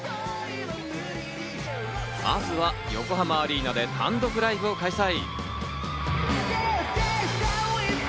まずは横浜アリーナで単独ライブを開催。